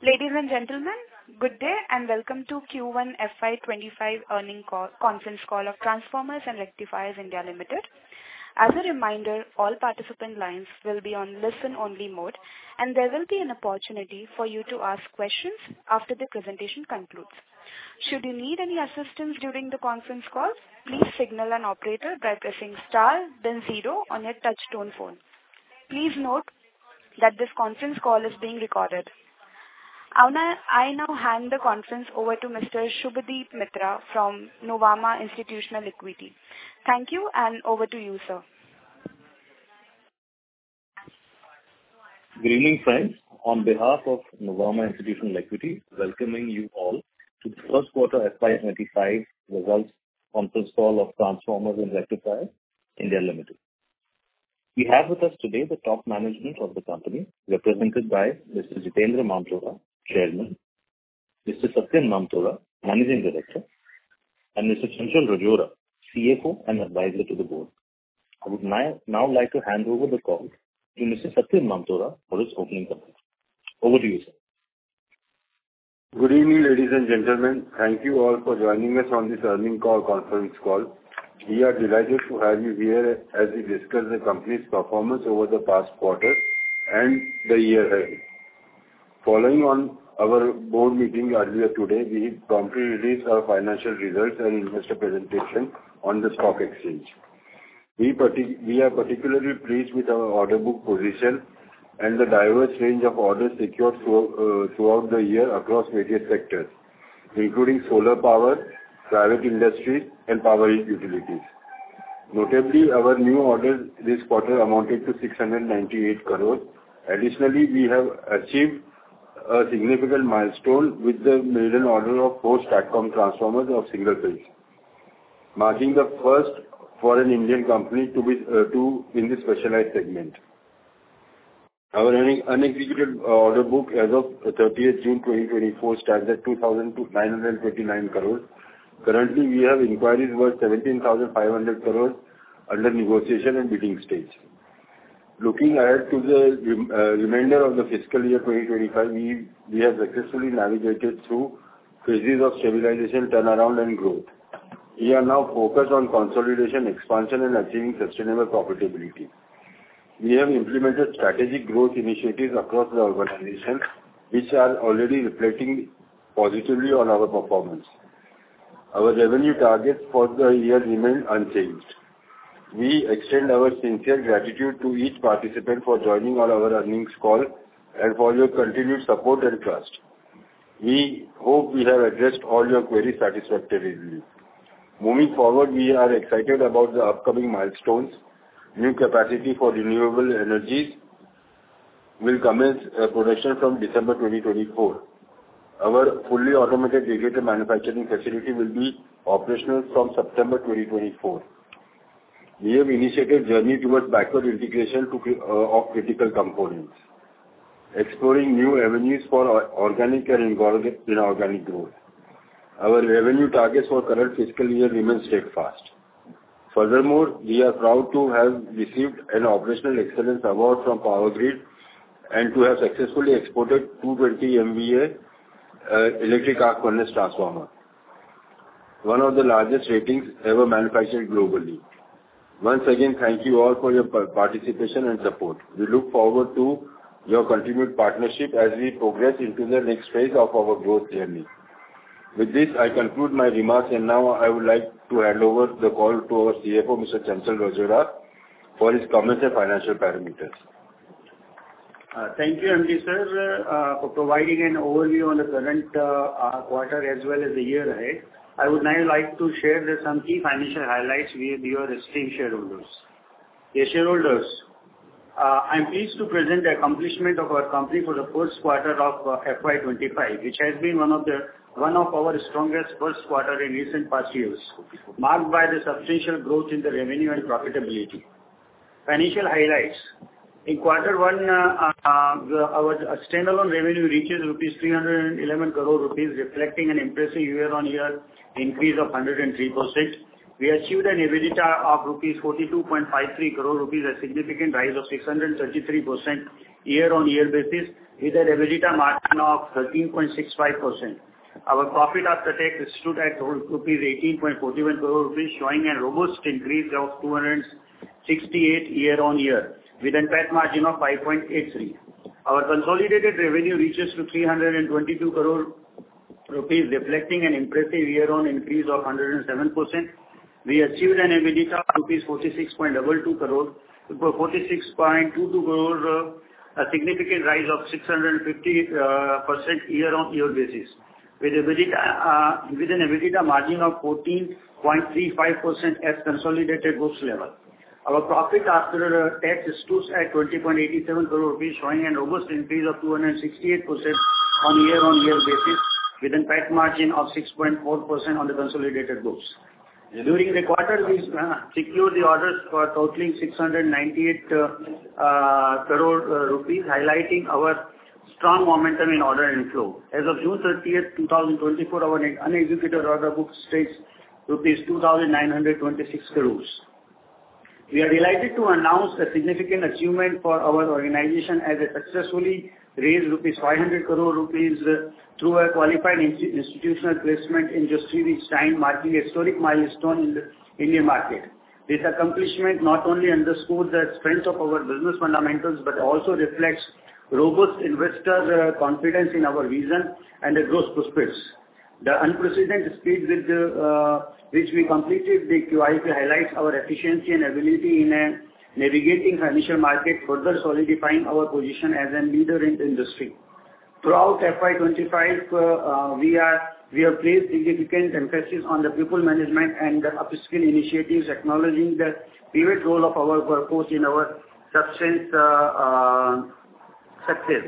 Ladies and gentlemen, good day, and welcome to Q1 FY 2025 Earnings Conference Call of Transformers and Rectifiers India Limited. As a reminder, all participant lines will be on listen-only mode, and there will be an opportunity for you to ask questions after the presentation concludes. Should you need any assistance during the conference call, please signal an operator by pressing star then zero on your touchtone phone. Please note that this conference call is being recorded. I now hand the conference over to Mr. Subhadip Mitra from Nuvama Institutional Equities. Thank you, and over to you, sir. Good evening, friends. On behalf of Nuvama Institutional Equities, welcoming you all to the first quarter FY 2025 Results Conference Call of Transformers and Rectifiers India Limited. We have with us today the top management of the company, represented by Mr. Jitendra Mamtora, Chairman; Mr. Satyen Mamtora, Managing Director; and Mr. Chanchal Rajora, CFO and Advisor to the Board. I would now like to hand over the call to Mr. Satyen Mamtora for his opening comments. Over to you, sir. Good evening, ladies and gentlemen. Thank you all for joining us on this Earnings Conference Call. We are delighted to have you here as we discuss the company's performance over the past quarter and the year ahead. Following on our board meeting earlier today, we promptly released our financial results and investor presentation on the stock exchange. We are particularly pleased with our order book position and the diverse range of orders secured throughout the year across various sectors, including solar power, private industry, and power utilities. Notably, our new orders this quarter amounted to 698 crore. Additionally, we have achieved a significant milestone with the million order of four STATCOM transformers of single phase, marking the first for an Indian company to be in this specialized segment. Our unexecuted order book as of 30th June 2024 stands at 2,929 crores. Currently, we have inquiries worth 17,500 crores under negotiation and bidding stage. Looking ahead to the remainder of the fiscal year 2025, we have successfully navigated through phases of stabilization, turnaround, and growth. We are now focused on consolidation, expansion, and achieving sustainable profitability. We have implemented strategic growth initiatives across the organization, which are already reflecting positively on our performance. Our revenue targets for the year remain unchanged. We extend our sincere gratitude to each participant for joining on our earnings call and for your continued support and trust. We hope we have addressed all your queries satisfactorily. Moving forward, we are excited about the upcoming milestones. New capacity for renewable energies will commence production from December 2024. Our fully automated rectifier manufacturing facility will be operational from September 2024. We have initiated journey towards backward integration to CRGO of critical components, exploring new avenues for organic and inorganic growth. Our revenue targets for current fiscal year remain steadfast. Furthermore, we are proud to have received an operational excellence award from Power Grid, and to have successfully exported 220 MVA electric arc furnace transformer, one of the largest ratings ever manufactured globally. Once again, thank you all for your participation and support. We look forward to your continued partnership as we progress into the next phase of our growth journey. With this, I conclude my remarks, and now I would like to hand over the call to our CFO, Mr. Chanchal Rajora, for his comments on financial parameters. Thank, sir, for providing an overview on the current quarter as well as the year ahead. I would now like to share some key financial highlights with your esteemed shareholders. Dear shareholders, I'm pleased to present the accomplishment of our company for the first quarter of FY 2025, which has been one of our strongest first quarter in recent past years, marked by the substantial growth in the revenue and profitability. Financial highlights: In quarter one, our standalone revenue reached 311 crore rupees, reflecting an impressive year-on-year increase of 103%. We achieved an EBITDA of 42.53 crore rupees, a significant rise of 633% year-on-year basis, with an EBITDA margin of 13.65%. Our profit after tax stood at INR 18.41 crore, showing a robust increase of 268% year-on-year, with an EPS margin of 5.83%. Our consolidated revenue reaches to 322 crore rupees, reflecting an impressive year-on-year increase of 107%. We achieved an EBITDA of 46.22 crore rupees, a significant rise of 650% year-on-year, with an EBITDA margin of 14.35% at consolidated groups level. Our profit after tax stands at 20.87 crore rupees, showing a robust increase of 268% year-on-year, with an EPS margin of 6.4% on the consolidated groups. During the quarter, we secured the orders for totaling 698 crore rupees, highlighting our strong momentum in order inflow. As of June 30th, 2024, our unexecuted order book stays INR 2,926 crore. We are delighted to announce a significant achievement for our organization, as it successfully raised 500 crore rupees through a qualified institutional placement in just three weeks time, marking a historic milestone in the Indian market. This accomplishment not only underscores the strength of our business fundamentals, but also reflects robust investor confidence in our vision and the growth prospects. The unprecedented speed with which we completed the QIP highlights our efficiency and ability in navigating financial markets, further solidifying our position as a leader in the industry. Throughout FY 2025, we have placed significant emphasis on the people management and the upskill initiatives, acknowledging the pivot role of our workforce in our success.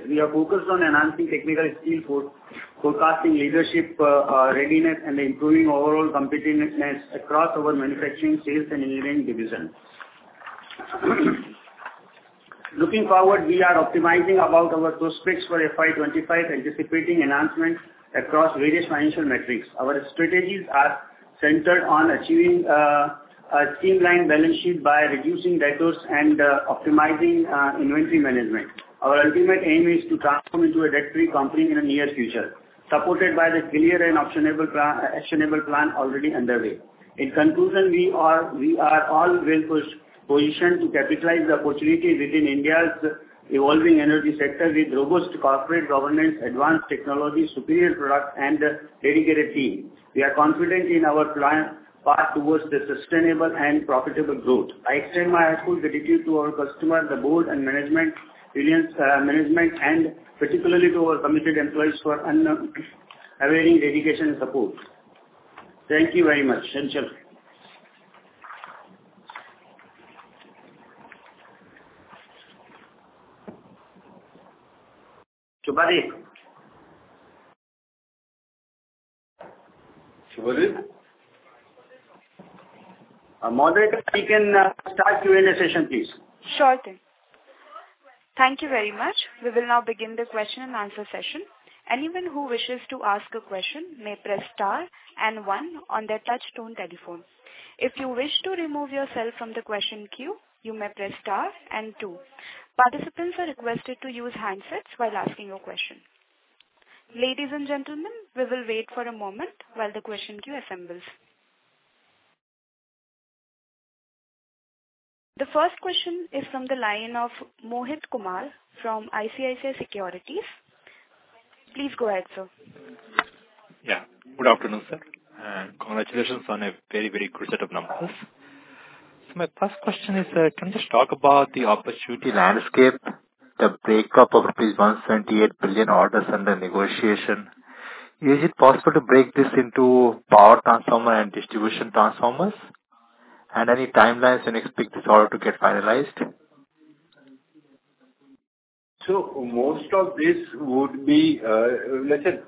We are focused on enhancing technical skill for forecasting leadership, readiness, and improving overall competitiveness across our manufacturing, sales, and engineering divisions. Looking forward, we are optimizing about our prospects for FY 2025, anticipating enhancements across various financial metrics. Our strategies are centered on achieving a streamlined balance sheet by reducing debtors and optimizing inventory management. Our ultimate aim is to transform into a debt-free company in the near future, supported by the clear and actionable plan already underway. In conclusion, we are all well positioned to capitalize the opportunities within India's evolving energy sector, with robust corporate governance, advanced technology, superior product, and a dedicated team. We are confident in our planned path towards the sustainable and profitable growth. I extend my heartfelt gratitude to our customers, the board and management, Reliance, management, and particularly to our committed employees for unwavering dedication and support. Thank you very much. Subhadip. Subhadip? Subhadip? Moderator, you can start Q&A session, please. Sure thing. Thank you very much. We will now begin the question and answer session. Anyone who wishes to ask a question may press star and one on their touchtone telephone. If you wish to remove yourself from the question queue, you may press star and two. Participants are requested to use handsets while asking your question. Ladies and gentlemen, we will wait for a moment while the question queue assembles. The first question is from the line of Mohit Kumar, from ICICI Securities. Please go ahead, sir. Yeah, good afternoon, sir, and congratulations on a very, very good set of numbers. So my first question is, can you just talk about the opportunity landscape, the breakup of these rupees 178 billion orders under negotiation? Is it possible to break this into power transformer and distribution transformers, and any timelines you expect this order to get finalized? Most of this would be, let's say,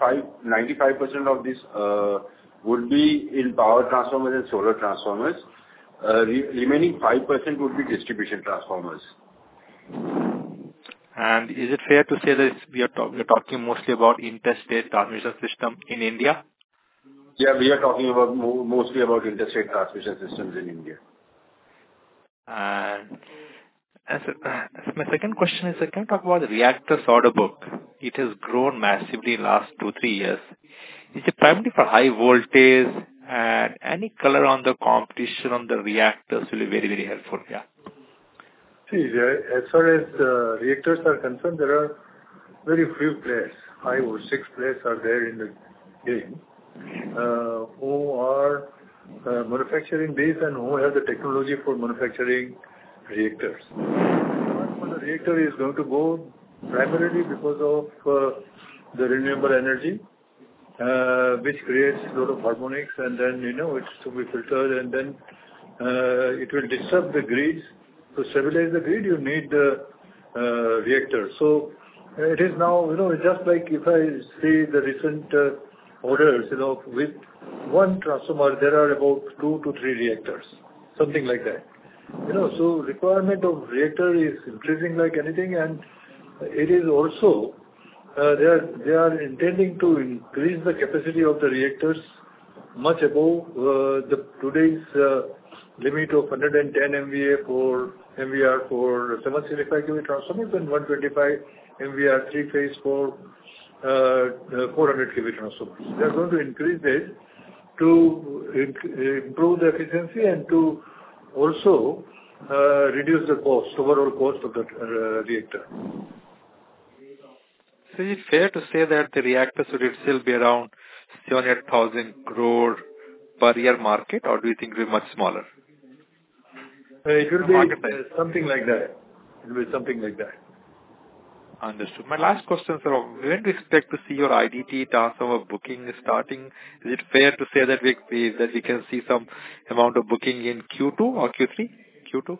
95% of this would be in power transformers and solar transformers. Remaining 5% would be distribution transformers. Is it fair to say that we are talking mostly about interstate transmission system in India? Yeah, we are talking about mostly interstate transmission systems in India. My second question is, can you talk about the reactors order book? It has grown massively in the last two, three years. Is it primarily for high voltage? And any color on the competition on the reactors will be very, very helpful. Yeah. See, as far as the reactors are concerned, there are very few players. I know six players are there in the game, who are manufacturing base and who have the technology for manufacturing reactors. When the reactor is going to go, primarily because of the renewable energy, which creates a lot of harmonics, and then, you know, it's to be filtered, and then it will disturb the grids. To stabilize the grid, you need the reactor. So it is now, you know, just like if I see the recent orders, you know, with one transformer, there are about two to three reactors, something like that. You know, so requirement of reactor is increasing like anything, and it is also, they are intending to increase the capacity of the reactors much above today's limit of 110 MVA for MVARfor 735 kV transformers, and 125 MVAR three-phase 400 kV transformers. They are going to increase it to improve the efficiency and to also reduce the cost, overall cost of the reactor. So is it fair to say that the reactors will still be around 700,000 crore per year market, or do you think they're much smaller? It will be something like that. It will be something like that. Understood. My last question, sir: When do we expect to see your IDT transformer booking starting? Is it fair to say that we, that we can see some amount of booking in Q2 or Q3? Q2?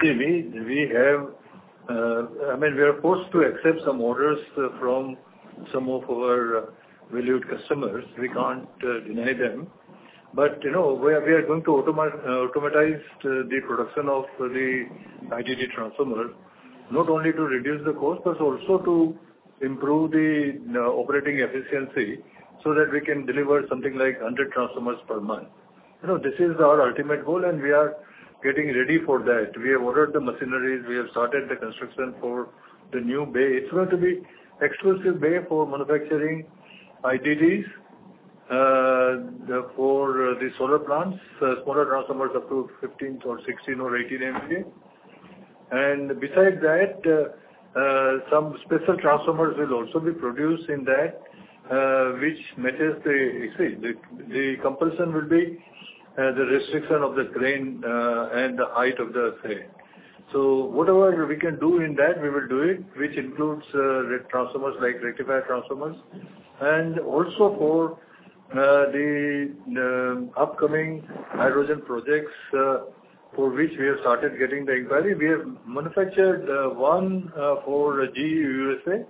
See, we have. I mean, we are forced to accept some orders from some of our valued customers. We can't deny them, but, you know, we are going to automate the production of the IDT transformer, not only to reduce the cost, but also to improve the operating efficiency so that we can deliver something like 100 transformers per month. You know, this is our ultimate goal, and we are getting ready for that. We have ordered the machineries, we have started the construction for the new bay. It's going to be exclusive bay for manufacturing IDTs for the solar plants, smaller transformers up to 15 or 16 or 18 MVA. And besides that, some special transformers will also be produced in that, which matches the, you see, the compulsion will be the restriction of the crane and the height of the crane. So whatever we can do in that, we will do it, which includes transformers, like rectifier transformers, and also for the upcoming hydrogen projects, for which we have started getting the inquiry. We have manufactured one for GE U.S.A.,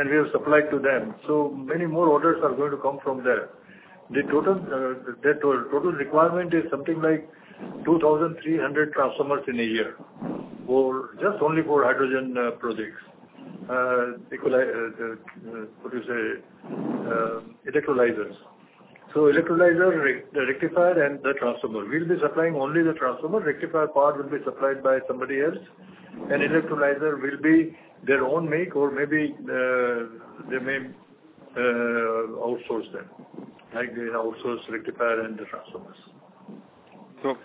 and we have supplied to them. So many more orders are going to come from there. The total requirement is something like 2,300 transformers in a year, for just only for hydrogen projects. Equalize the, what you say, electrolyzers. So electrolyzers, the rectifier and the transformer. We'll be supplying only the transformer. Rectifier part will be supplied by somebody else, and electrolyzer will be their own make or maybe, they may, outsource them, like they outsource rectifier and the transformers. So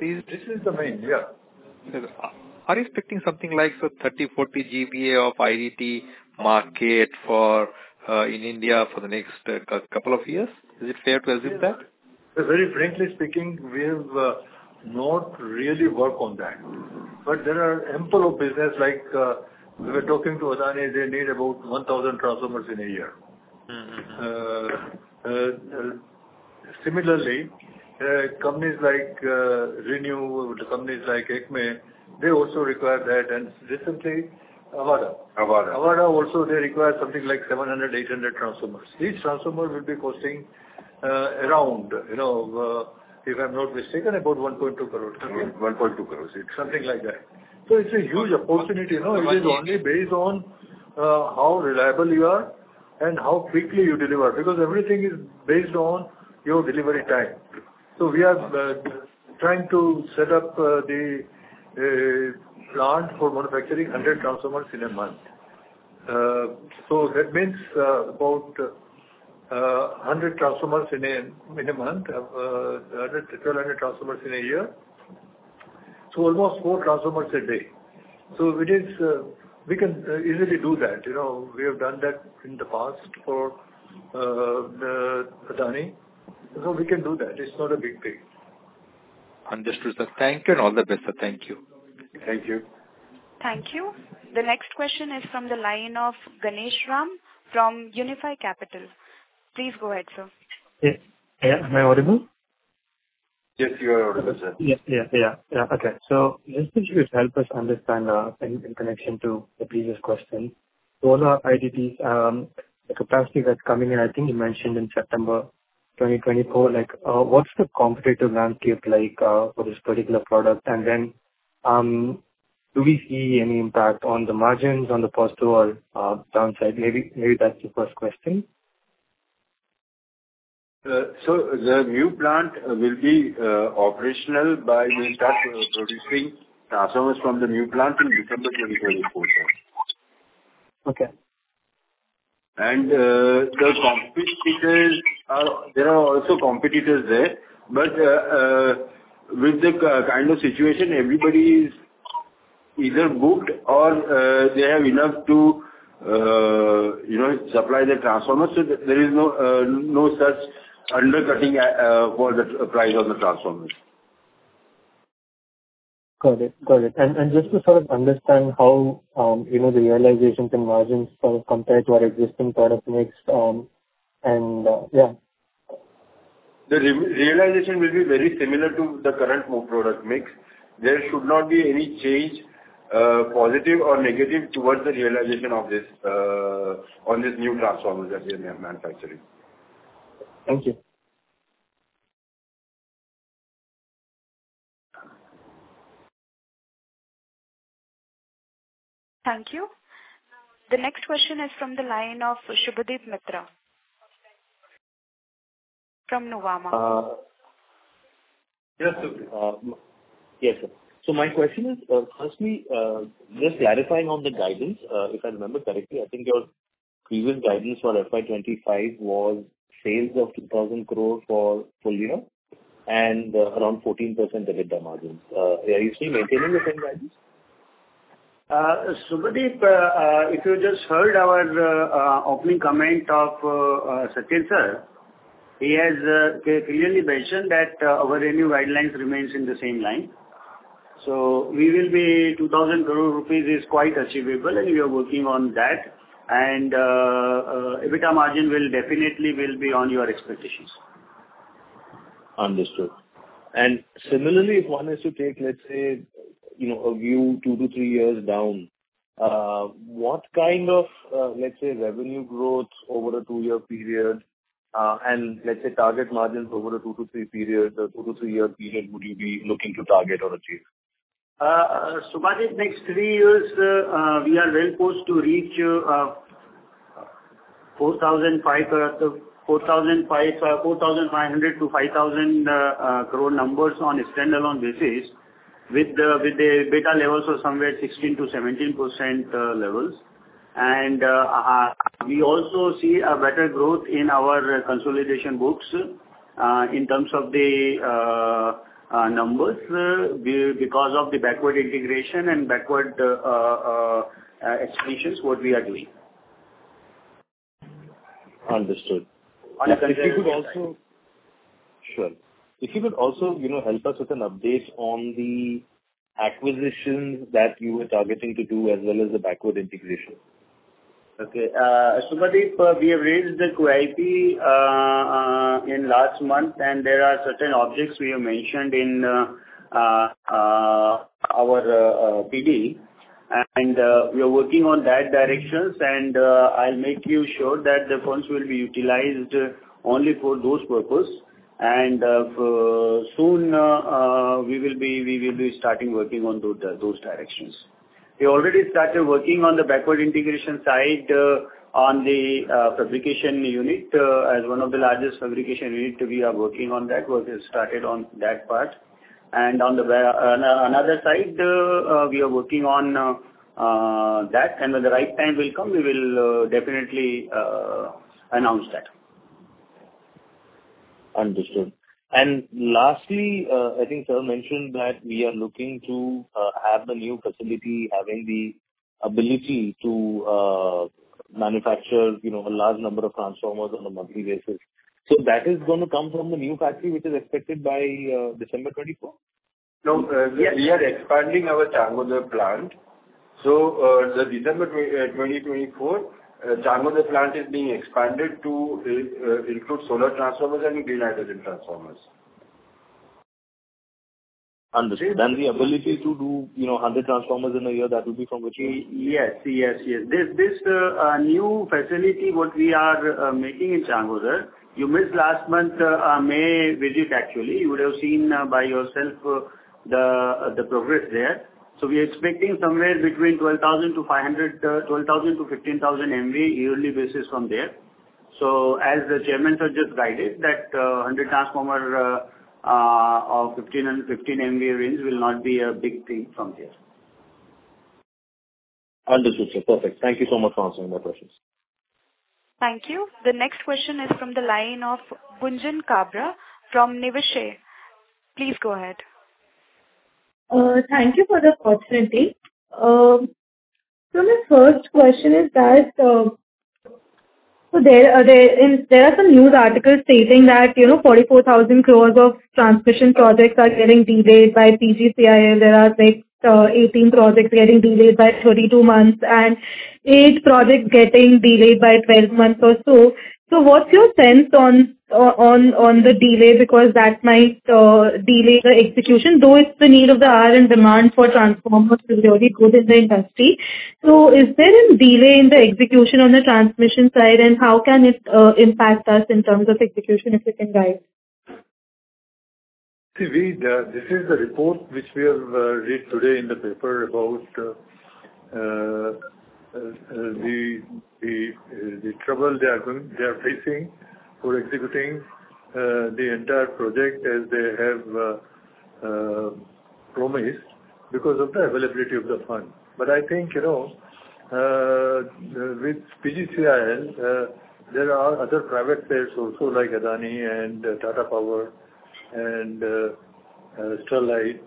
these. This is the main, yeah. Are you expecting something like, so 30, 40 GW of IDT market for in India for the next couple of years? Is it fair to assume that? Very frankly speaking, we have not really worked on that. But there are ample of business like, we were talking to Adani, they need about one thousand transformers in a year. Mm-hmm. Similarly, companies like ReNew, companies like ACME, they also require that, and recently, Avaada. Avaada. Avaada also they require something like 700, 800 transformers. Each transformer will be costing, around, you know, if I'm not mistaken, about 1.2 crores, correct? 1.2 crore. Something like that, so it's a huge opportunity, you know. Mm-hmm. It is only based on how reliable you are and how quickly you deliver, because everything is based on your delivery time. So we are trying to set up the plant for manufacturing 100 transformers in a month. So that means about 100 transformers in a month, 1,200 transformers in a year. So almost four transformers a day. We can easily do that. You know, we have done that in the past for the Adani. So we can do that. It's not a big thing. Understood, sir. Thank you and all the best, sir. Thank you. Thank you. Thank you. The next question is from the line of Ganeshram from Unifi Capital. Please go ahead, sir. Yeah. Yeah, am I audible? Yes, you are audible, sir. Yeah, yeah, yeah. Yeah, okay. So just to help us understand, in connection to the previous question, so all our IDTs, the capacity that's coming in, I think you mentioned in September 2024, like, what's the competitive landscape like, for this particular product? And then, do we see any impact on the margins on the upside or, downside? Maybe, maybe that's the first question. So the new plant will be operational by, we’ll start producing transformers from the new plant in December 2024. Okay. The competitors are, there are also competitors there. But with the kind of situation, everybody is either booked or they have enough to you know supply the transformers. So there is no such undercutting for the price of the transformers. Got it. Got it. And just to sort of understand how, you know, the realizations and margins sort of compare to our existing product mix, and yeah. The realization will be very similar to the current product mix. There should not be any change, positive or negative, towards the realization of this, on this new transformers that we are manufacturing. Thank you. Thank you. The next question is from the line of Subhadip Mitra from Nuvama. Yes, Subhadip. Yes, sir. So my question is, firstly, just clarifying on the guidance, if I remember correctly, I think your previous guidance for FY 2025 was sales of 2,000 crores for full year, and around 14% EBITDA margins. Are you still maintaining the same guidance? Subhadip, if you just heard our opening comment of Satyen sir, he has clearly mentioned that our revenue guidelines remains in the same line. So we will be 2,000 crore rupees is quite achievable, and we are working on that. EBITDA margin will definitely be on your expectations. Understood. And similarly, if one is to take, let's say, you know, a view two to three years down, what kind of, let's say, revenue growth over a two-year period? And let's say, target margins over a two to three period, or two to three-year period, would you be looking to target or achieve? So by the next three years, we are well-poised to reach 4,500 crore-5,000 crore numbers on a standalone basis, with the EBITDA levels of somewhere 16%-17% levels. And we also see a better growth in our consolidated books, in terms of the numbers, because of the backward integration and backward executions what we are doing. Understood. Sure. If you could also, you know, help us with an update on the acquisitions that you were targeting to do, as well as the backward integration. Okay. So far we have raised the QIP in last month, and there are certain objects we have mentioned in our PD. And we are working on those directions, and I'll make sure that the funds will be utilized only for those purpose. And soon we will be starting working on those directions. We already started working on the backward integration side on the fabrication unit. As one of the largest fabrication unit, we are working on that. Work is started on that part. And on the other side we are working on that, and when the right time will come, we will definitely announce that. Understood. And lastly, I think sir mentioned that we are looking to have the new facility, having the ability to manufacture, you know, a large number of transformers on a monthly basis. So that is gonna come from the new factory, which is expected by December 2024? No. Yes. We are expanding our Changodar plant. So, the December 2024 Changodar plant is being expanded to include solar transformers and green hydrogen transformers. Understood. Yes. Then the ability to do, you know, 100 transformers in a year, that will be from which one? Yes, yes, yes. This new facility what we are making in Changodar, you missed last month, May visit actually. You would have seen by yourself the progress there. So we are expecting somewhere between 12,000-15,000 MVA yearly basis from there. So as the Chairman has just guided, that 100 transformer of 15 and 15 MVA range will not be a big thing from there. Understood, sir. Perfect. Thank you so much for answering my questions. Thank you. The next question is from the line of Gunjan Kabra from Niveshaay. Please go ahead. Thank you for the opportunity. So my first question is that, so there are some news articles stating that, you know, 44,000 crores of transmission projects are getting delayed by PGCIL. There are like, 18 projects getting delayed by 32 months, and 8 projects getting delayed by 12 months or so. So what's your sense on the delay? Because that might delay the execution, though it's the need of the hour, and demand for transformers is really good in the industry. So is there a delay in the execution on the transmission side, and how can it impact us in terms of execution, if you can guide? See, this is the report which we have read today in the paper about the trouble they are facing for executing the entire project as they have promised, because of the availability of the fund. But I think, you know, with PGCIL, there are other private players also, like Adani and Tata Power and Sterlite.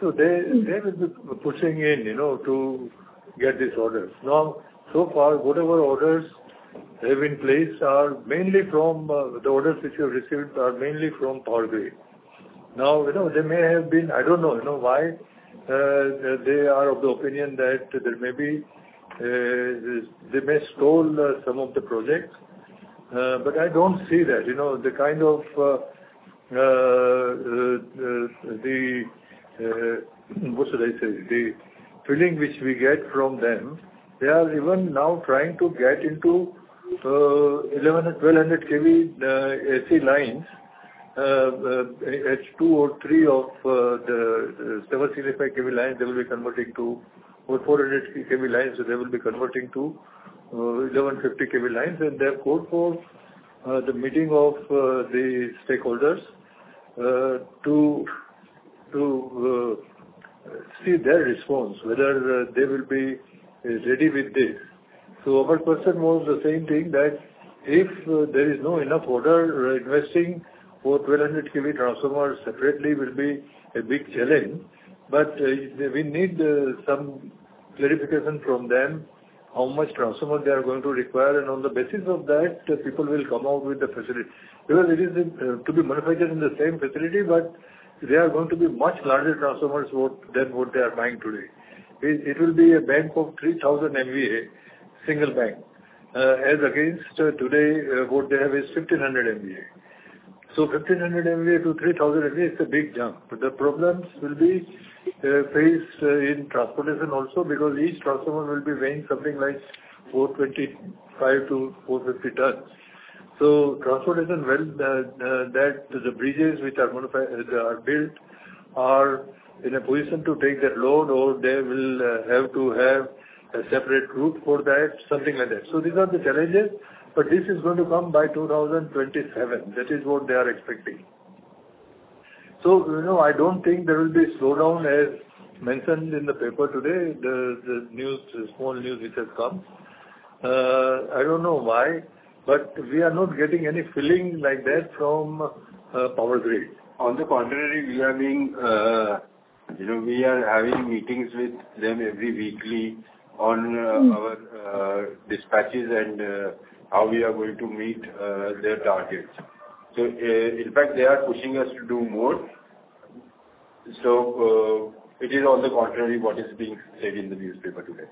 So they will be pushing in, you know, to get these orders. Now, so far, whatever orders have been placed are mainly from, the orders which we have received are mainly from Power Grid. Now, you know, there may have been. I don't know, you know, why, they are of the opinion that there may be, they may stall, some of the projects. But I don't see that. You know, the kind of, what should I say? The feeling which we get from them, they are even now trying to get into, 11,000 or 12,000 kV AC lines, two or three of the 765 kV lines, they will be converting to, or 400 kV lines, so they will be converting to, 1150 kV lines. They have called for the meeting of the stakeholders to see their response, whether they will be ready with this. So our person was the same thing, that if there is no enough order, investing for 1,200 kV transformers separately will be a big challenge. But we need some clarification from them, how much transformers they are going to require, and on the basis of that, the people will come out with the facility. Because it is to be manufactured in the same facility, but they are going to be much larger transformers than what they are buying today. It will be a bank of 3,000 MVA, single bank, as against today what they have is 1,500 MVA. 1,500 MVA to 3,000 MVA is a big jump, but the problems will be faced in transportation also, because each transformer will be weighing something like 425-450 tons. So transportation, well, the bridges which are modified or built are in a position to take that load, or they will have to have a separate route for that, something like that. So these are the challenges, but this is going to come by 2027. That is what they are expecting. So, you know, I don't think there will be a slowdown, as mentioned in the paper today, the small news which has come. I don't know why, but we are not getting any feeling like that from Power Grid. On the contrary, we are being, you know, we are having meetings with them every weekly on our dispatches and how we are going to meet their targets. So, in fact, they are pushing us to do more. So, it is on the contrary, what is being said in the newspaper today.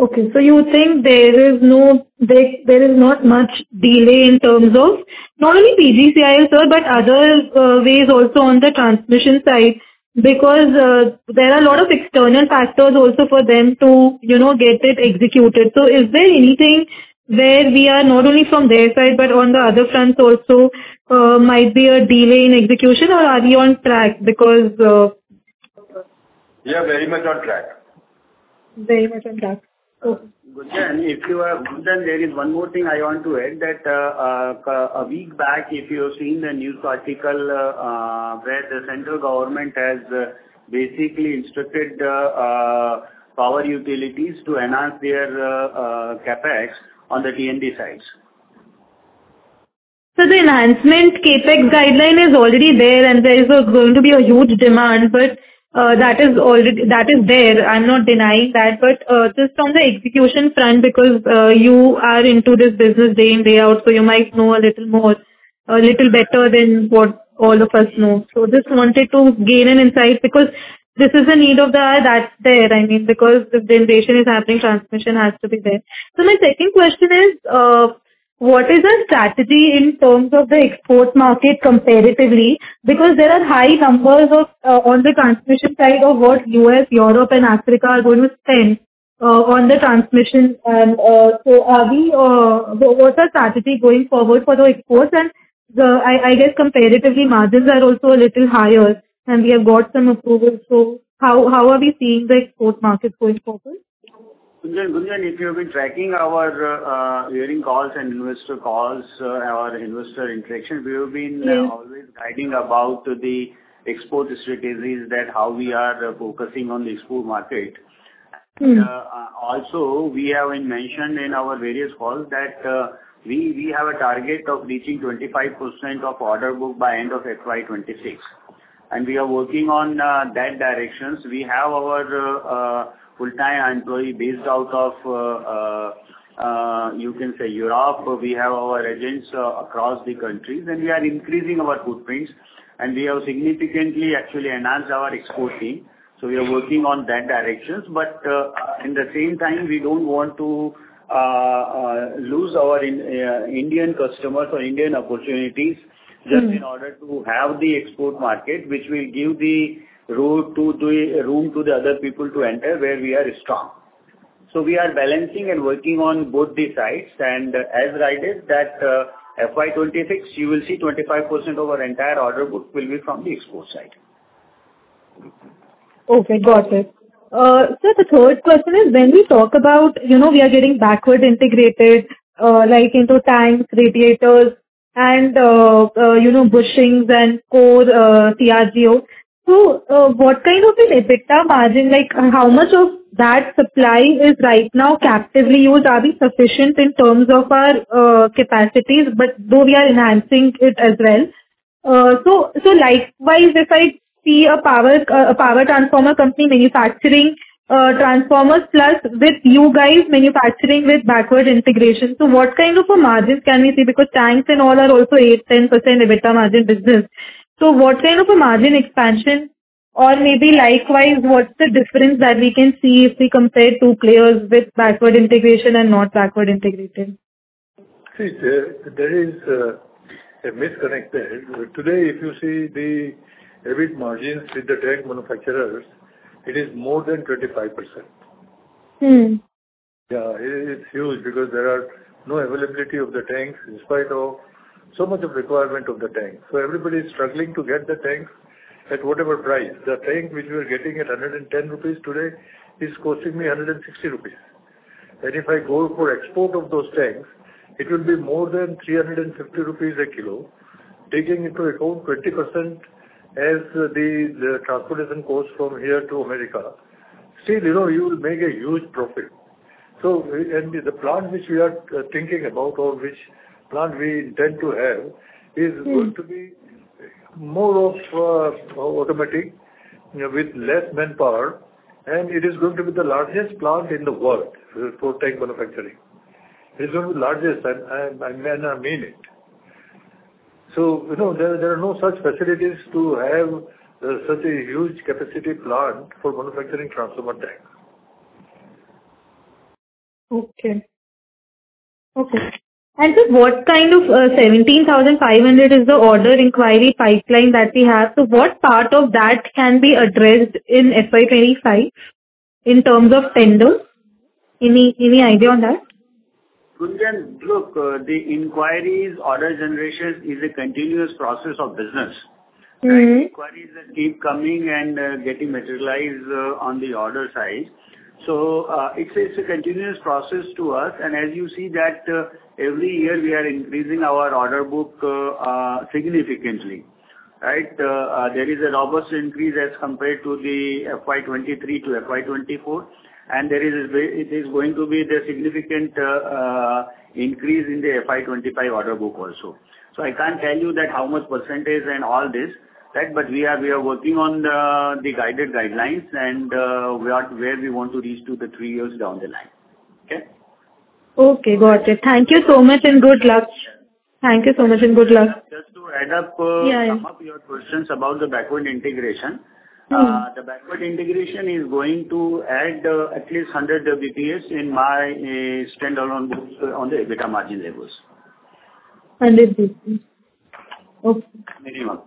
Okay. So you think there is no, there is not much delay in terms of not only PGCIL, sir, but other ways also on the transmission side, because there are a lot of external factors also for them to, you know, get it executed. So is there anything where we are not only from their side, but on the other fronts also might be a delay in execution, or are we on track because, We are very much on track. Very much on track. Okay. Gunjan, if you have done, there is one more thing I want to add that, a week back, if you have seen the news article, where the central government has basically instructed power utilities to enhance their CapEx on the T&D sides. So the enhancement CapEx guideline is already there, and there is going to be a huge demand, but that is already. That is there. I'm not denying that, but just from the execution front, because you are into this business day in, day out, so you might know a little more, a little better than what all of us know. So just wanted to gain an insight, because this is a need of the hour that's there, I mean, because if the generation is happening, transmission has to be there. So my second question is, what is our strategy in terms of the export market comparatively? Because there are high numbers of on the transmission side of what U.S., Europe and Africa are going to spend on the transmission. And so are we, what's our strategy going forward for the exports? And, I guess comparatively, margins are also a little higher, and we have got some approvals. So how are we seeing the export market going forward? Gunjan, Gunjan, if you have been tracking our earnings calls and investor calls, our investor interaction. We have been always writing about the export strategies, that how we are focusing on the export market. Also, we have been mentioned in our various calls that we have a target of reaching 25% of order book by end of FY 2026, and we are working on that directions. We have our full-time employee based out of, you can say, Europe. We have our agents across the countries, and we are increasing our footprints, and we have significantly actually enhanced our export team, so we are working on that directions. In the same time, we don't want to lose our Indian customers or Indian opportunities just in order to have the export market, which will give room to the other people to enter, where we are strong. So we are balancing and working on both the sides, and as I said, that FY 2026, you will see 25% of our entire order book will be from the export side. Okay, got it. So the third question is, when we talk about, you know, we are getting backward integrated, like into tanks, radiators, and, you know, bushings and core, CRGO. So, what kind of an EBITDA margin, like, how much of that supply is right now captively used, are we sufficient in terms of our, capacities? But though we are enhancing it as well. So likewise, if I see a power transformer company manufacturing, transformers, plus with you guys manufacturing with backward integration, so what kind of a margins can we see? Because tanks and all are also 8-10% EBITDA margin business. So what kind of a margin expansion, or maybe likewise, what's the difference that we can see if we compare two players with backward integration and not backward integrated? See, there is a misconnection. Today, if you see the EBIT margins with the tank manufacturers, it is more than 25%. Yeah, it's huge because there are no availability of the tanks, in spite of so much of requirement of the tanks. So everybody is struggling to get the tanks at whatever price. The tank which we are getting at 110 rupees today is costing me 160 rupees. And if I go for export of those tanks, it will be more than 350 rupees a kilo, taking into account 20% as the transportation costs from here to America. Still, you know, you will make a huge profit, and the plant which we are thinking about or which plant we intend to have is going to be more of, automatic, with less manpower, and it is going to be the largest plant in the world for tank manufacturing. It's going to be the largest, and I mean it. So, you know, there are no such facilities to have such a huge capacity plant for manufacturing transformer tank. Okay. Okay, and just what kind of 17,500 crore is the order inquiry pipeline that we have? So what part of that can be addressed in FY 2025 in terms of tenders? Any idea on that? Gunjan, look, the inquiries, order generations is a continuous process of business. Right? Inquiries keep coming and, getting materialized, on the order side. So, it's a continuous process to us, and as you see that, every year we are increasing our order book, significantly, right? There is a robust increase as compared to the FY 2023-FY 2024, and it is going to be the significant increase in the FY 2025 order book also. So I can't tell you that how much percentage and all this, right? But we are working on the guided guidelines and, we are where we want to reach to the three years down the line. Okay? Okay, got it. Thank you so much and good luck. Thank you so much and good luck. Just to add up, Yeah. Some of your questions about the backward integration The backward integration is going to add at least 100 basis points in my standalone books on the EBITDA margin levels. 100 basis points. Okay. Minimum.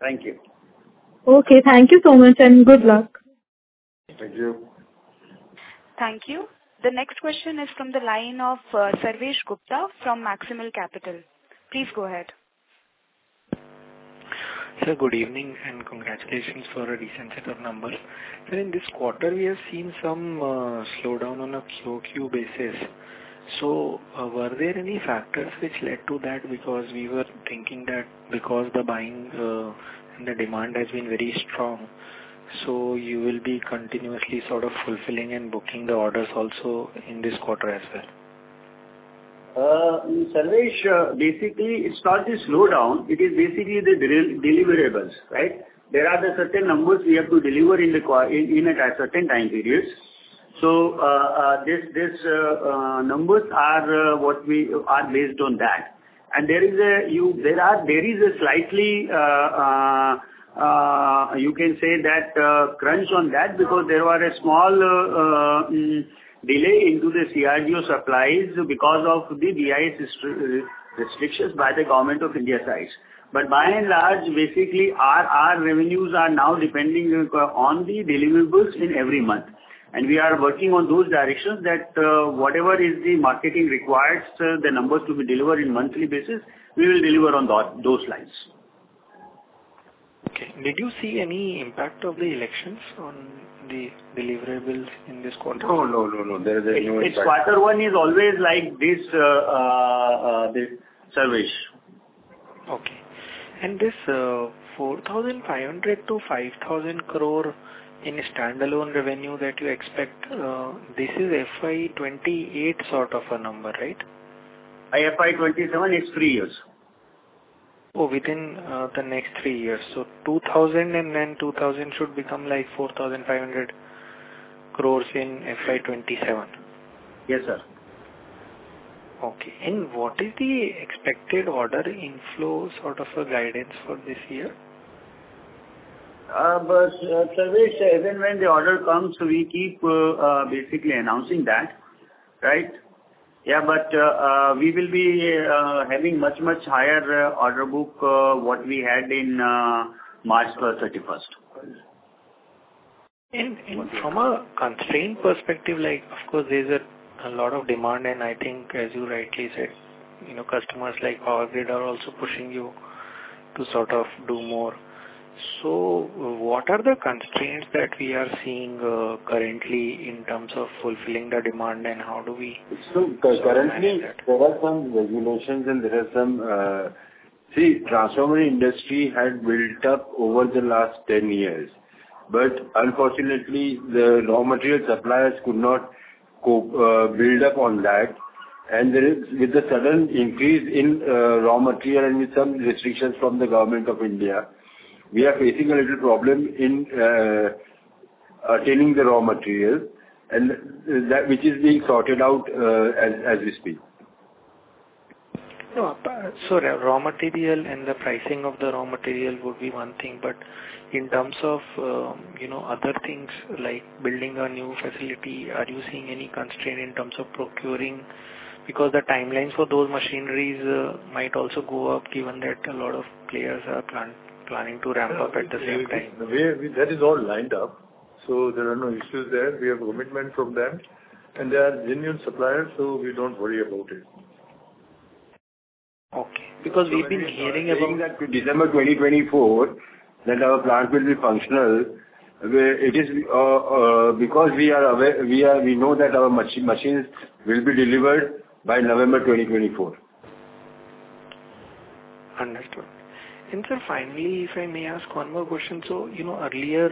Thank you. Okay, thank you so much and good luck. Thank you. Thank you. The next question is from the line of Sarvesh Gupta from Maximal Capital. Please go ahead. Sir, good evening, and congratulations for a decent set of numbers. So in this quarter, we have seen some slowdown on a sequential basis. So, were there any factors which led to that? Because we were thinking that because the buying and the demand has been very strong, so you will be continuously sort of fulfilling and booking the orders also in this quarter as well. Sarvesh, basically, it's not a slowdown. It is basically the deliverables, right? There are certain numbers we have to deliver in a certain time period. So, these numbers are what we are based on that. And there is a slight crunch on that, you can say that, because there was a small delay in the CRGO supplies because of the duty restrictions by the government of India side. But by and large, basically our revenues are now depending on the deliverables in every month. And we are working on those directions that whatever the marketing requires, the numbers to be delivered on a monthly basis, we will deliver on those lines. Okay. Did you see any impact of the elections on the deliverables in this quarter? No, no, no, no, there is no impact. Quarter one is always like this, Sarvesh. Okay. And this 4,500 crore-5,000 crore in standalone revenue that you expect, this is FY 2028 sort of a number, right? By FY 2027, it's three years. Oh, within the next three years. So 2,000 crore and then 2,000 crore should become like 4,500 crores in FY 2027. Yes, sir. Okay. And what is the expected order inflow sort of a guidance for this year? But, Sarvesh, even when the order comes, we keep basically announcing that, right? Yeah, but we will be having much, much higher order book what we had in March 31st. From a constraint perspective, like, of course, there's a lot of demand, and I think as you rightly said, you know, customers like Power Grid are also pushing you to sort of do more. So what are the constraints that we are seeing currently in terms of fulfilling the demand, and how do we? So currently, there are some regulations and there are some. See, transformer industry had built up over the last 10 years, but unfortunately, the raw material suppliers could not build up on that. And there is, with the sudden increase in raw material and with some restrictions from the Government of India, we are facing a little problem in obtaining the raw material and that which is being sorted out as we speak. No, so raw material and the pricing of the raw material would be one thing, but in terms of, you know, other things like building a new facility, are you seeing any constraint in terms of procuring? Because the timelines for those machineries might also go up, given that a lot of players are planning to ramp up at the same time. That is all lined up, so there are no issues there. We have commitment from them, and they are genuine suppliers, so we don't worry about it. Okay, because we've been hearing about- December 2024, that our plant will be functional, where it is, because we are aware, we know that our machines will be delivered by November 2024. Understood. And sir, finally, if I may ask one more question. So, you know, earlier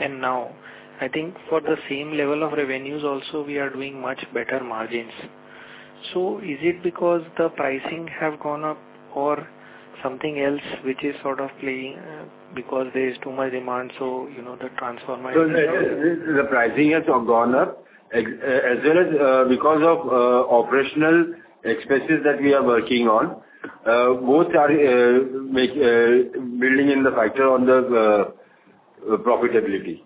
and now, I think for the same level of revenues also, we are doing much better margins. So is it because the pricing have gone up or something else which is sort of playing because there is too much demand, so, you know, the transformer? The pricing has gone up as well as because of operational expenses that we are working on. Both are making building in the factor on the profitability.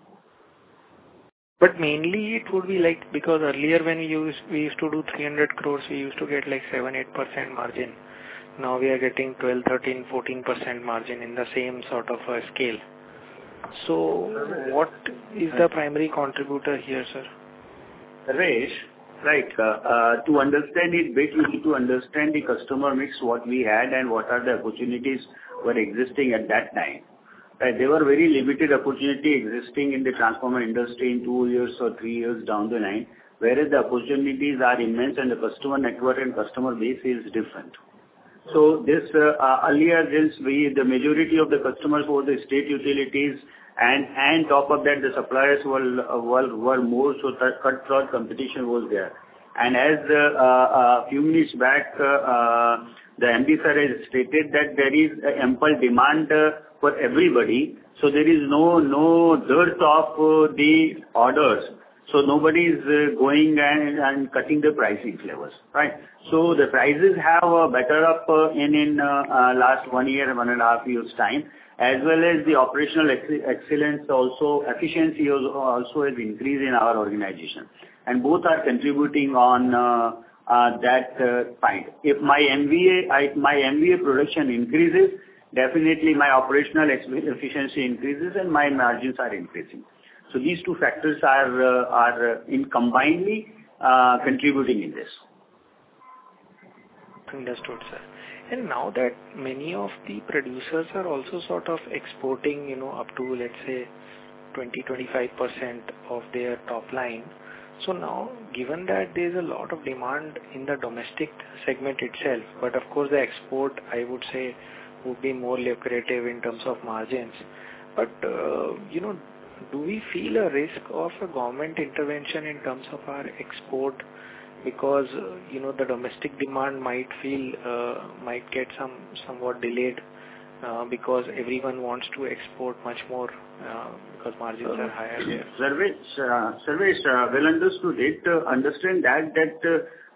But mainly it would be like, because earlier when we used, we used to do 300 crores, we used to get, like, 7%-8% margin. Now we are getting 12%-14% margin in the same sort of a scale. So what is the primary contributor here, sir? Raj, right, to understand it, basically to understand the customer mix, what we had and what the opportunities were existing at that time. There were very limited opportunity existing in the transformer industry in two years or three years down the line. Whereas the opportunities are immense and the customer network and customer base is different. So, earlier, we, the majority of the customers were the state utilities, and on top of that, the suppliers were more, so cutthroat competition was there. And as a few minutes back, the MD, sir, has stated that there is ample demand for everybody, so there is no dearth of the orders. So nobody is going and cutting the pricing levels, right? So the prices have gone up in the last one year and one and a half years' time, as well as the operational excellence. Efficiency also has increased in our organization. And both are contributing to that point. If my MVA production increases, definitely my operational efficiency increases and my margins are increasing. So these two factors are combinedly contributing in this. Understood, sir. And now that many of the producers are also sort of exporting, you know, up to, let's say, 20%-25% of their top line. So now, given that there's a lot of demand in the domestic segment itself, but of course, the export, I would say, would be more lucrative in terms of margins. But, you know, do we feel a risk of a government intervention in terms of our export? Because, you know, the domestic demand might feel, might get somewhat delayed, because everyone wants to export much more, because margins are higher. Sarvesh, Sarvesh, well understood it. Understand that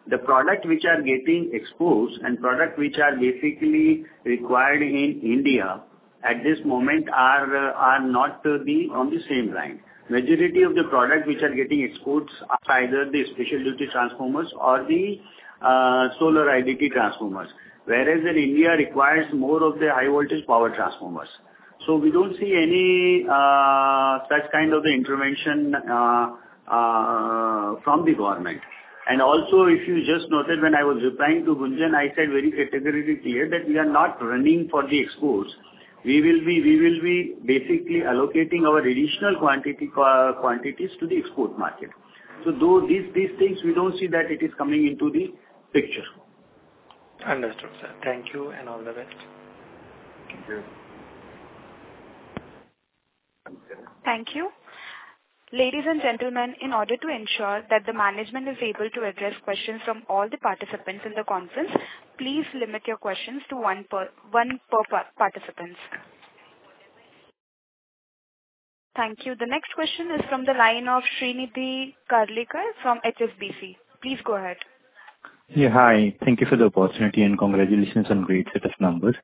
the products which are getting exported and products which are basically required in India at this moment are not on the same line. Majority of the products which are getting exported are either the specialty transformers or the solar IDT transformers. Whereas in India requires more of the high voltage power transformers. So we don't see any such kind of intervention from the government. And also, if you just noted, when I was replying to Gunjan, I said very categorically clear that we are not running for the exports. We will be basically allocating our additional quantities to the export market. So though these things, we don't see that it is coming into the picture. Understood, sir. Thank you and all the best. Thank you. Thank you. Ladies and gentlemen, in order to ensure that the management is able to address questions from all the participants in the conference, please limit your questions to one per participant. Thank you. The next question is from the line of Srinidhi Karlekar from HSBC. Please go ahead. Yeah, hi. Thank you for the opportunity, and congratulations on great set of numbers.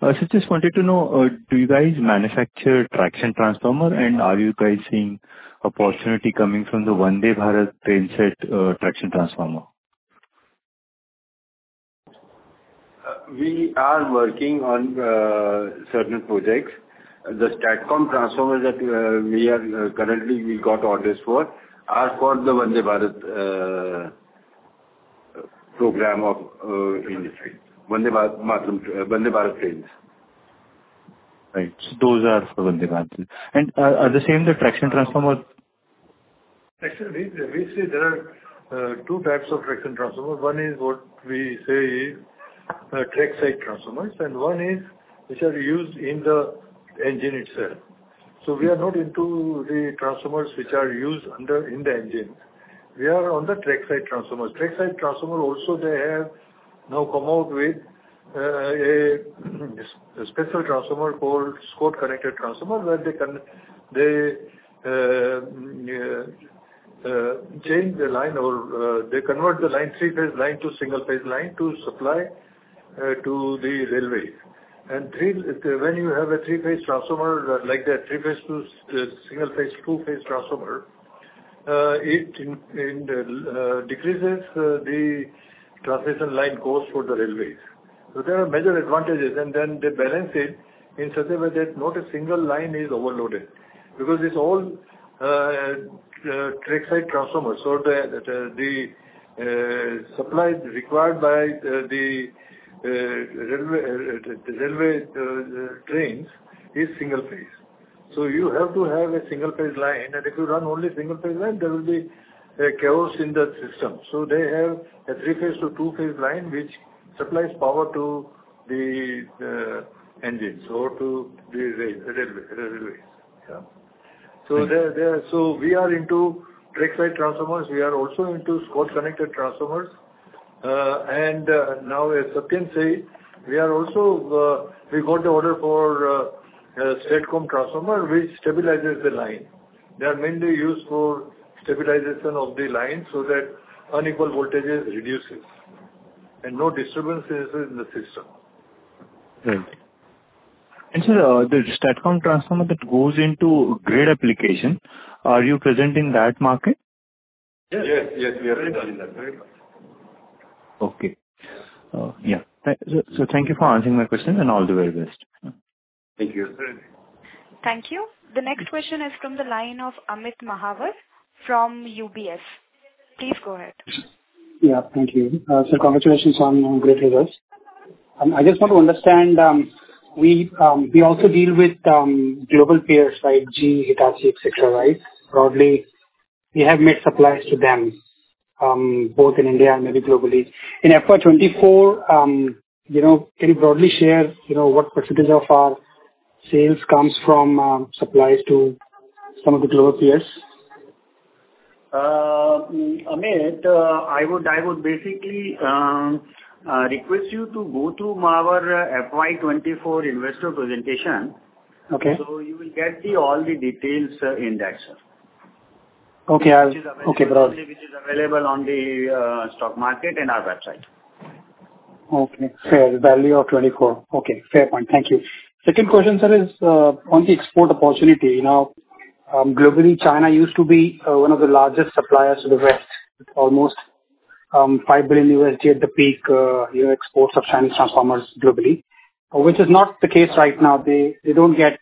So just wanted to know, do you guys manufacture traction transformer? And are you guys seeing opportunity coming from the Vande Bharat train set, traction transformer? We are working on certain projects. The STATCOM transformers that we currently got orders for are for the Vande Bharat program of Indian Railways. Vande Bharat trains. Right. Those are the Vande Bharats. And are the same, the traction transformer? Actually, we see there are two types of traction transformers. One is what we say is track side transformers, and one is which are used in the engine itself. So we are not into the transformers which are used under in the engine. We are on the track side transformers. Track side transformer also they have now come out with a special transformer called Scott-connected transformer, where they change the line or they convert the line, three-phase line to single-phase line to supply to the railway. And train, when you have a three-phase transformer, like the three-phase to single-phase, two-phase transformer, it decreases the transmission line goes for the railways. So there are major advantages, and then they balance it in such a way that not a single line is overloaded. Because it's all track side transformers, so the supply required by the railway trains is single-phase. So you have to have a single-phase line, and if you run only single-phase line, there will be a chaos in the system. So they have a three-phase to two-phase line, which supplies power to the engines or to the railways. Yeah. Thank you. We are into track side transformers. We are also into Scott-connected transformers. And now, as Satyen say, we are also we got the order for STATCOM transformer, which stabilizes the line. They are mainly used for stabilization of the line, so that unequal voltages reduces and no disturbances in the system. Right. And sir, the STATCOM transformer that goes into grid application, are you present in that market? Yes. Yes, we are very much in that, very much. Okay. Yeah. So thank you for answering my question, and all the very best. Thank you. Thank you. The next question is from the line of Amit Mahawar from UBS. Please go ahead. Yeah, thank you. So congratulations on great results. I just want to understand, we also deal with global peers, like GE, Hitachi, et cetera, right? Probably we have made supplies to them, both in India and maybe globally. In FY 2024, you know, can you broadly share, you know, what percentage of our sales comes from supplies to some of the global peers? Amit, I would basically request you to go through our FY 2024 investor presentation. Okay. So you will get all the details in that, sir. Okay. Which is available on the stock market and our website. Okay, fair. Value of 2024. Okay, fair point. Thank you. Second question, sir, is on the export opportunity. You know, globally, China used to be one of the largest suppliers to the West, almost $5 billion at the peak, you know, exports of Chinese transformers globally, which is not the case right now. They, they don't get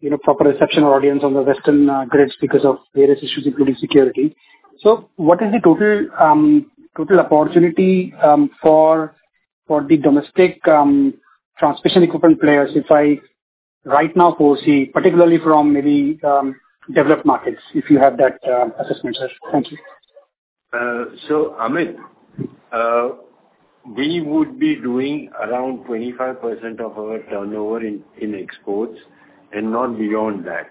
you know, proper reception or audience on the Western grids because of various issues, including security. So what is the total total opportunity for for the domestic transmission equipment players, if I right now foresee, particularly from maybe developed markets, if you have that assessment, sir? Thank you. So Amit, we would be doing around 25% of our turnover in exports and not beyond that.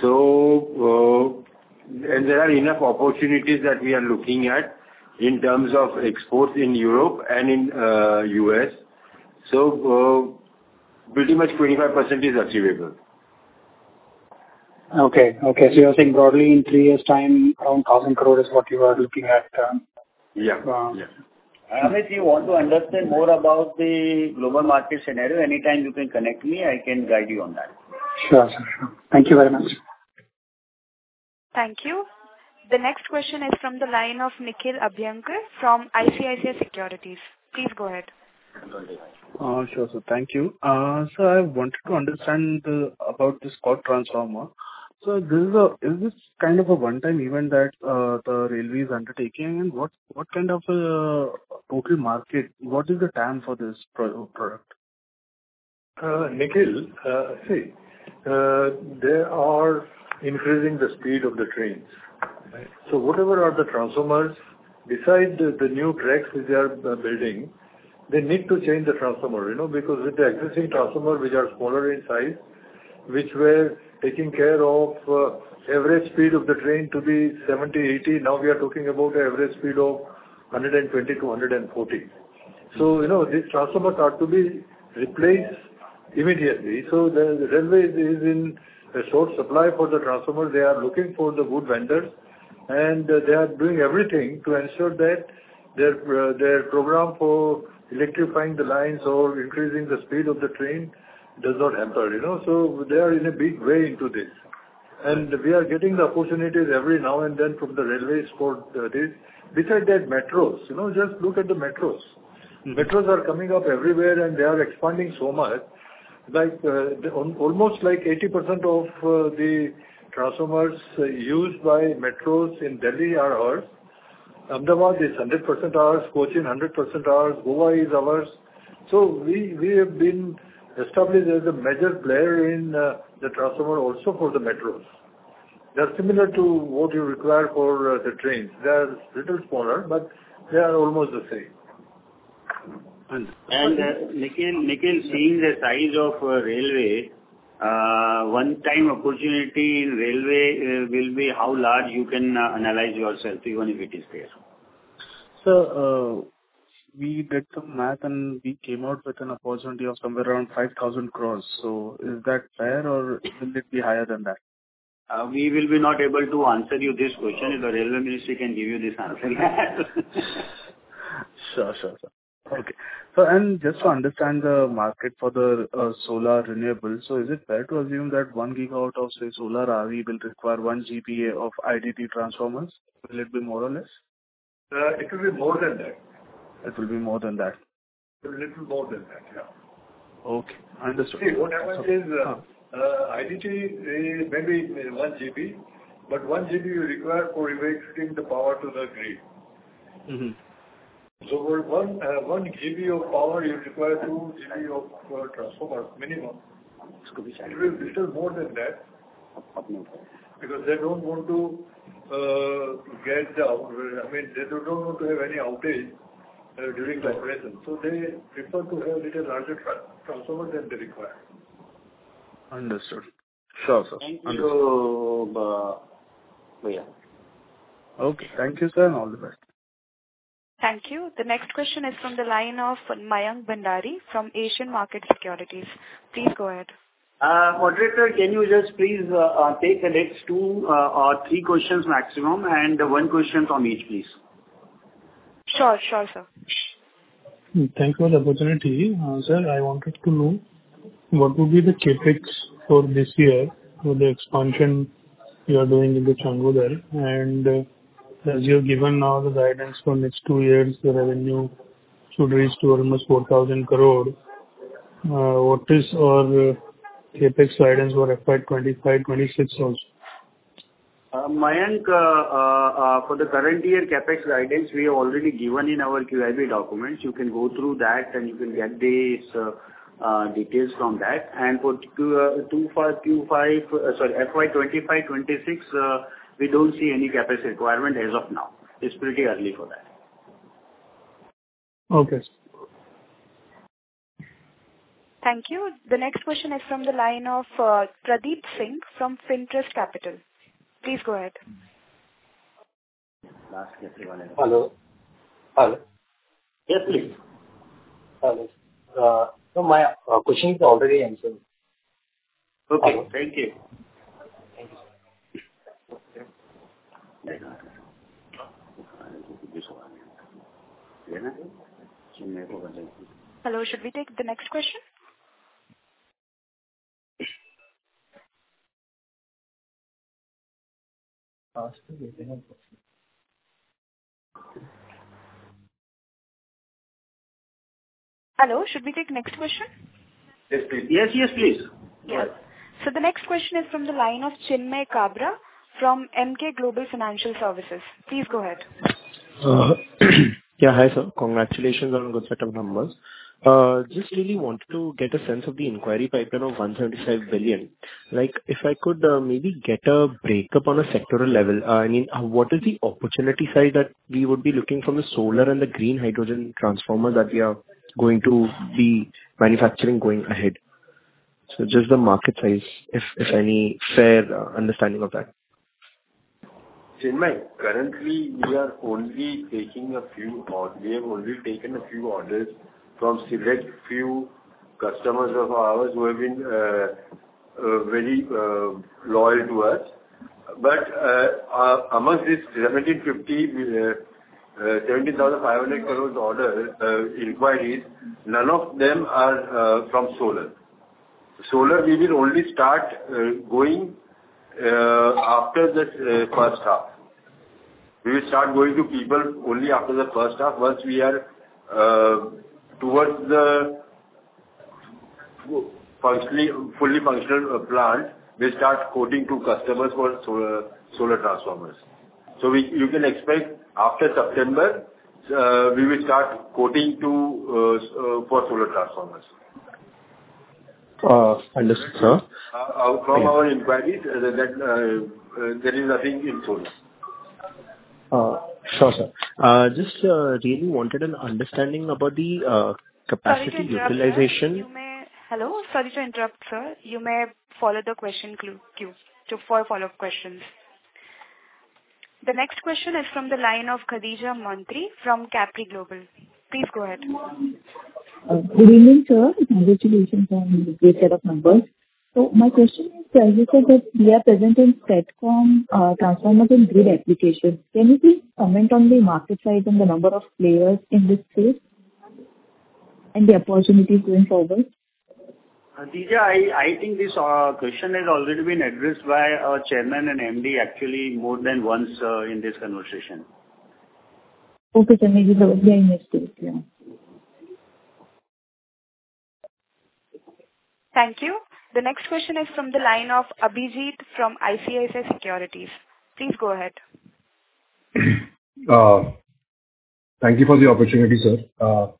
So, and there are enough opportunities that we are looking at in terms of exports in Europe and in U.S. So, pretty much 25% is achievable. Okay. Okay, so you're saying broadly in three years' time, around 1,000 crore is what you are looking at? Yeah. Yeah. Amit, you want to understand more about the global market scenario. Anytime you can connect me, I can guide you on that. Sure, sir, sure. Thank you very much. Thank you. The next question is from the line of Nikhil Abhyankar from ICICI Securities. Please go ahead. Sure, sir. Thank you, so I wanted to understand about this core transformer. Is this kind of a one-time event that the railway is undertaking? And what kind of a total market? What is the TAM for this product? Nikhil, see, they are increasing the speed of the trains. So whatever are the transformers, besides the, the new tracks which they are building, they need to change the transformer, you know, because with the existing transformer, which are smaller in size, which were taking care of average speed of the train to be 70, 80, now we are talking about the average speed of 120 to 140. So, you know, these transformers are to be replaced immediately. So the, the railway is in a short supply for the transformers. They are looking for the good vendors, and they are doing everything to ensure that their, their program for electrifying the lines or increasing the speed of the train does not hamper, you know? So they are in a big way into this, and we are getting the opportunities every now and then from the railways for this. Besides that, metros, you know, just look at the metros. Mm-hmm. Metros are coming up everywhere, and they are expanding so much, like, almost like 80% of the transformers used by metros in Delhi are ours. Ahmedabad is 100% ours, Cochin 100% ours, Goa is ours. So we have been established as a major player in the transformers also for the metros. They are similar to what you require for the trains. They are a little smaller, but they are almost the same. And Nikhil, seeing the size of railway one-time opportunity in railway, will be how large you can analyze yourself, even if it is there. So, we did some math, and we came out with an opportunity of somewhere around 5,000 crores. So is that fair, or will it be higher than that? We will be not able to answer you this question. The railway ministry can give you this answer. Sure, sure, sir. Okay. So, and just to understand the market for the solar renewables, so is it fair to assume that one gigawatt of, say, solar PV will require one GVA of IDT transformers? Will it be more or less? It will be more than that. It will be more than that. A little more than that, yeah. Okay, understood. See, what happens is, IDT is maybe one GVA, but one GVA you require for even getting the power to the grid. Mm-hmm. So for one GVA of power, you require two GVA of transformer, minimum. This could be- It will be little more than that. Okay. Because they don't want to have any outage during the operation, so they prefer to have little larger transformer than they require. Understood. Sure, sir. Thank you, yeah. Okay. Thank you, sir, and all the best. Thank you. The next question is from the line of Mayank Bhandari from Asian Markets Securities. Please go ahead. Moderator, can you just please take the next two or three questions maximum, and one question from each, please? Sure, sure, sir. Thank you for the opportunity. Sir, I wanted to know what would be the CapEx for this year for the expansion you are doing in Changodar, and as you have given now the guidance for next two years, the revenue should reach to almost 4,000 crore. What is our CapEx guidance for FY 2025, 2026 also? Mayank, for the current year CapEx guidance, we have already given in our QIP documents. You can go through that, and you can get the details from that. And for FY 2025, 2026, we don't see any CapEx requirement as of now. It's pretty early for that. Okay. Thank you. The next question is from the line of Pradeep Singh from Finstream Capital. Please go ahead. Hello? Hello. Yes, please. Hello. So my question is already answered. Okay. Thank you. Thank you. Hello, should we take the next question? Yes, please. Yes, yes, please. Yeah. So the next question is from the line of Chinmay Kabra from Emkay Global Financial Services. Please go ahead. Yeah, hi, sir. Congratulations on good set of numbers. Just really wanted to get a sense of the inquiry pipeline of 135 billion. Like, if I could, maybe get a breakup on a sectoral level, I mean, what is the opportunity side that we would be looking from the solar and the green hydrogen transformers that we are going to be manufacturing going ahead? So just the market size, if any fair understanding of that. Chinmay, currently we are only taking a few. We have only taken a few orders from select few customers of ours who have been very loyal to us. But amongst this 1750, 17,500 crores order inquiries, none of them are from solar. Solar, we will only start going after the first half. We will start going to people only after the first half, once we are towards the functionally fully functional plant, we'll start quoting to customers for solar transformers. So you can expect after September, we will start quoting to for solar transformers. Understood, sir. From our inquiries, that there is nothing in solar. Sure, sir. Just really wanted an understanding about the capacity utilization? Hello, sorry to interrupt, sir. You may follow the question queue for follow-up questions. The next question is from the line of Khadija Mantri from Capri Global. Please go ahead. Good evening, sir. Congratulations on the great set of numbers. So my question is, you said that we are present in STATCOM transformer and grid applications. Can you please comment on the market size and the number of players in this space, and the opportunity going forward? Khadija, I think this question has already been addressed by our Chairman and MD, actually more than once, in this conversation. Okay, then maybe I missed it. Thank you. Thank you. The next question is from the line of Abhijit from ICICI Securities. Please go ahead. Thank you for the opportunity, sir.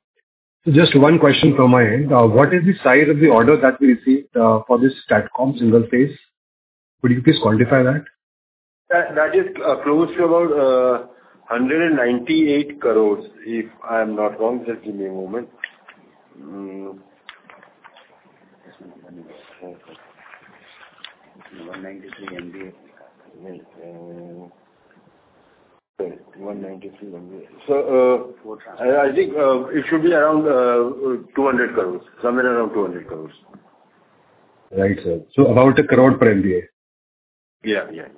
Just one question from my end. What is the size of the order that we received for this STATCOM single phase? Could you please quantify that? That is close to about 198 crore, if I'm not wrong. Just give me a moment. 193 MVA. So, I think it should be around 200 crore. Somewhere around 200 crore. Right, sir. So about 1 crore per MVA? Yeah, yeah.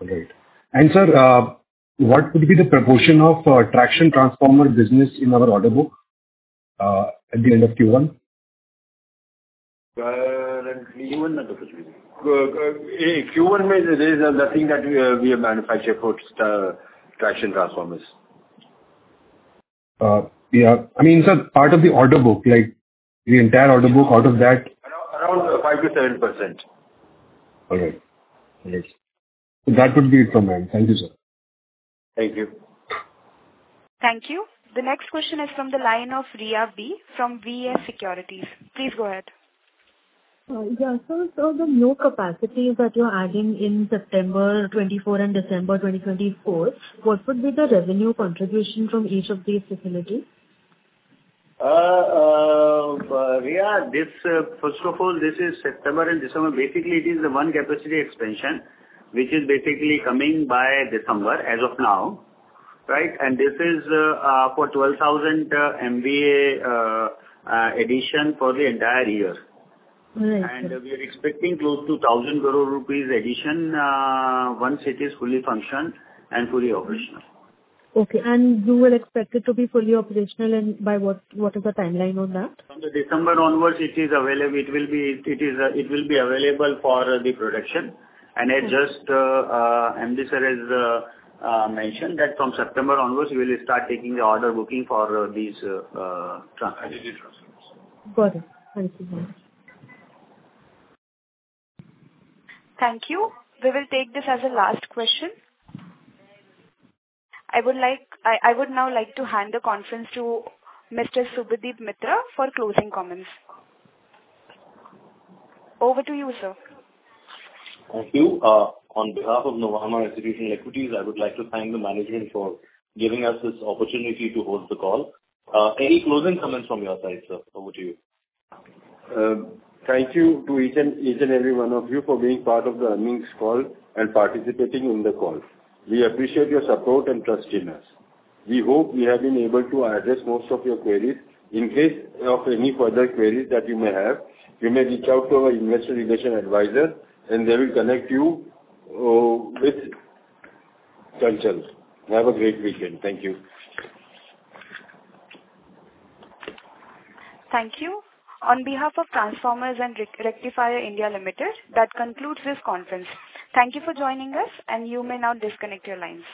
All right. And sir, what would be the proportion of traction transformer business in our order book at the end of Q1? Uh, currently, in Q1, there's nothing that we manufacture for traction transformers. Yeah. I mean, sir, part of the order book, like the entire order book, out of that? Around 5%-7%. All right. Thanks. That would be it from me. Thank you, sir. Thank you. Thank you. The next question is from the line of Riya B. from VF Securities. Please go ahead. The new capacity that you're adding in September 2024 and December 2024, what would be the revenue contribution from each of these facilities? Riya, this, first of all, this is September and December. Basically, it is the one capacity expansion, which is basically coming by December as of now, right? And this is for 12,000 MVA addition for the entire year. Right. We are expecting close to 1,000 crore rupees addition once it is fully functioned and fully operational. Okay, and you will expect it to be fully operational, and by what? What is the timeline on that? From the December onwards, it is available, it will be... It is, it will be available for the production. Okay. And as just MD sir has mentioned that from September onwards, we will start taking the order booking for these transformers. Digital transformers. Got it. Thank you very much. Thank you. We will take this as the last question. I would now like to hand the conference to Mr. Subhadip Mitra for closing comments. Over to you, sir. Thank you. On behalf of Nuvama Institutional Equities, I would like to thank the management for giving us this opportunity to host the call. Any closing comments from your side, sir, over to you. Thank you to each and every one of you for being part of the earnings call and participating in the call. We appreciate your support and trust in us. We hope we have been able to address most of your queries. In case of any further queries that you may have, you may reach out to our investor relations advisor, and they will connect you with Chanchal. Have a great weekend. Thank you. Thank you. On behalf of Transformers and Rectifiers India Limited, that concludes this conference. Thank you for joining us, and you may now disconnect your lines.